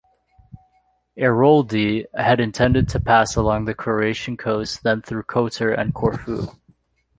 Airoldi had intended to pass along the Croatian coast then through Kotor and Corfu.